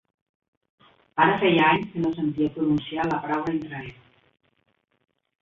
Ara feia anys que no sentia pronunciar la paraula Intranet.